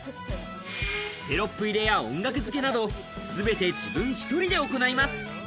テロップ入れや音楽づけなど全て自分１人で行います。